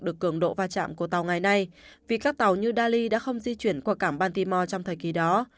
được cường độ va chạm của tàu ngày nay vì các tàu như dali đã không di chuyển qua cảng bantimore trong thời kỳ đó